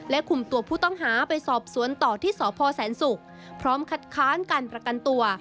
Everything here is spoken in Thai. คุมตัวผู้ต้องหาไปสอบสวนต่อที่สพแสนศุกร์พร้อมคัดค้านการประกันตัว